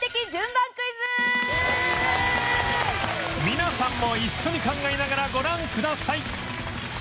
皆さんも一緒に考えながらご覧ください